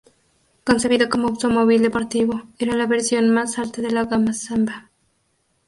Concebido como automóvil deportivo, era la versión más alta de la gama Samba.